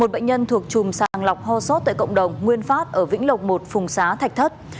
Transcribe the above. một bệnh nhân thuộc chùm sàng lọc ho sốt tại cộng đồng nguyên phát ở vĩnh lộc một phùng xá thạch thất